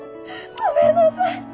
ごめんなさいッ！